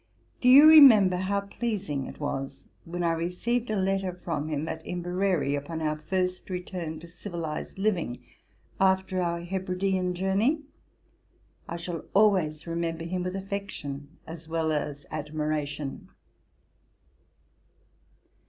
Do you remember how pleasing it was, when I received a letter from him at Inverary, upon our first return to civilized living after our Hebridean journey? I shall always remember him with affection as well as admiration.